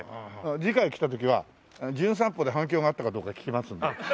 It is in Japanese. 次回来た時は『じゅん散歩』で反響があったかどうか聞きますので。